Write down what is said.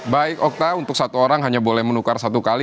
baik okta untuk satu orang hanya boleh menukar satu kali